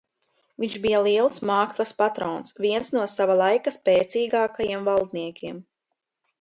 Viņš bija liels mākslas patrons, viens no sava laika spēcīgākajiem valdniekiem.